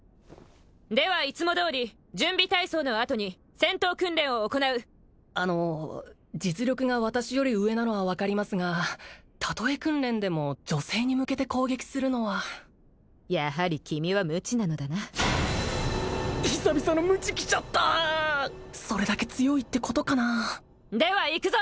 ではいつもどおり準備体操のあとに戦闘訓練を行うあの実力が私より上なのは分かりますがたとえ訓練でも女性に向けて攻撃するのはやはり君は無知なのだな久々の無知きちゃったそれだけ強いってことかなでは行くぞ！